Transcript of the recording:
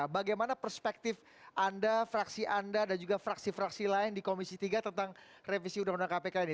bagaimana perspektif anda fraksi anda dan juga fraksi fraksi lain di komisi tiga tentang revisi undang undang kpk ini